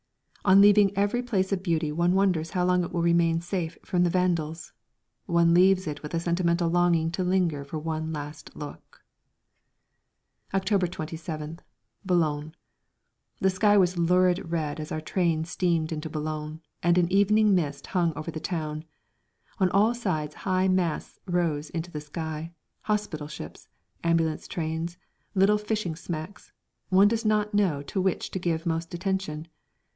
On leaving every place of beauty one wonders how long it will remain safe from the Vandals one leaves it with a sentimental longing to linger for "one last look." October 27th, Boulogne. The sky was a lurid red as our train steamed into Boulogne, and an evening mist hung over the town. On all sides high masts rose into the sky; hospital ships, ambulance trains, little fishing smacks, one does not know to which to give most attention.